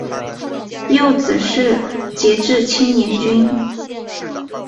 幼子是杰志青年军。